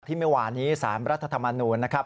ที่เมียวานีสารรัฐธรรมนุนนะครับ